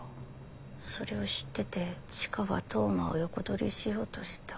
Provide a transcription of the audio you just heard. それを知っててチカは当麻を横取りしようとした。